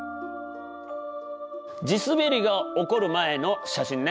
地滑りが起こる前の写真ね。